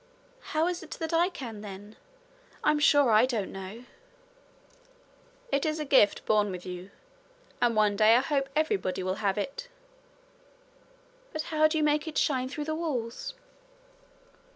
'How is it that I can, then? I'm sure I don't know.' 'It is a gift born with you. And one day I hope everybody will have it.' 'But how do you make it shine through the walls?'